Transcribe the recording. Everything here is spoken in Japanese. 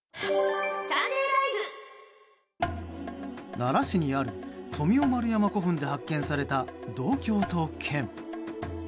奈良市にある富雄丸山古墳で発見された銅鏡と剣。